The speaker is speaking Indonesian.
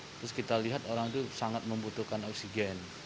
terus kita lihat orang itu sangat membutuhkan oksigen